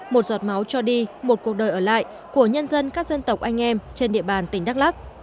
một giọt máu cho đi một cuộc đời ở lại của nhân dân các dân tộc anh em trên địa bàn tỉnh đắk lắc